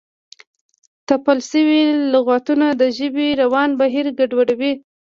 تپل شوي لغتونه د ژبې روان بهیر ګډوډوي.